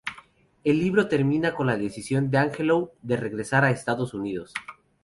El libro termina con la decisión de Angelou de regresar a Estados Unidos.